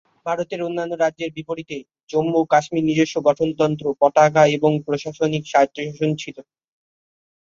ভারতের অন্যান্য রাজ্যের বিপরীতে, জম্মু ও কাশ্মীরের নিজস্ব গঠনতন্ত্র, পতাকা এবং প্রশাসনিক স্বায়ত্তশাসন ছিল।